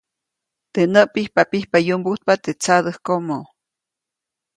Teʼ näʼ pijpapijpa yumbujtpa teʼ tsadäjkomo.